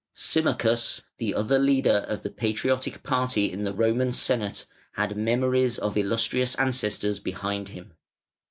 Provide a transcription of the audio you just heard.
Symmachus the other leader of the patriotic party in the Roman Senate had memories of illustrious ancestors behind him.